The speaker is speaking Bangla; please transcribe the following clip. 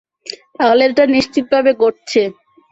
তাহলে এটা নিশ্চিতভাবে ঘটছে?